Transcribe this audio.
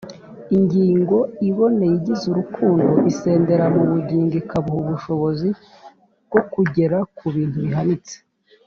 ingingo iboneye igize urukundo isendera mu bugingo ikabuha ubushobozi bwo kugera ku bintu bihanitse,